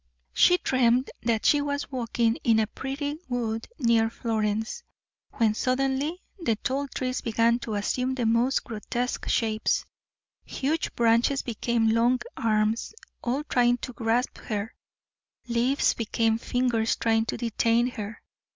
She dreamed that she was walking in a pretty wood near Florence, when suddenly the tall trees began to assume the most grotesque shapes; huge branches became long arms, all trying to grasp her, leaves became fingers trying to detain her.